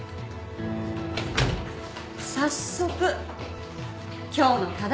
早速今日の課題。